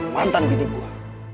mantan bibik gue